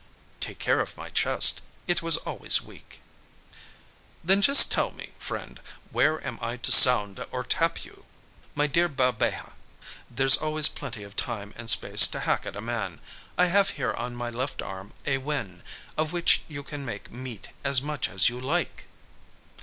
"Take care of my chest, it was always weak." "Then just tell me, friend, where am I to sound or tap you?" "My dear Balbeja, there's always plenty of time and space to hack at a man; I have here on my left arm a wen, of which you can make meat as much as you like."